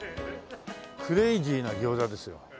クレイジーなギョーザですよ。